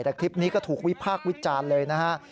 แต่คลิปนี้ก็ถูกวิพากษ์วิจารณ์เลยนะฮะ